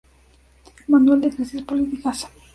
Manual de crisis políticas.